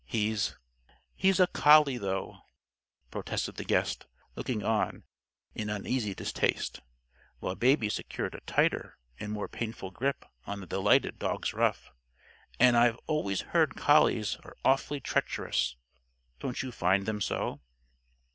He's " "He's a collie, though," protested the guest, looking on in uneasy distaste, while Baby secured a tighter and more painful grip on the delighted dog's ruff. "And I've always heard collies are awfully treacherous. Don't you find them so?"